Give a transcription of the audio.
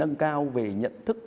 để nâng cao về nhận thức